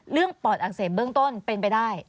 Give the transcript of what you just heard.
ปอดอักเสบเบื้องต้นเป็นไปได้